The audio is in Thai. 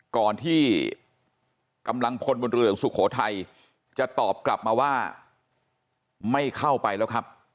ก่อนที่กำลังพลบนเรือหลวงสุโขทัยจะตอบกลับมาว่าไม่เข้าไปแล้วครับ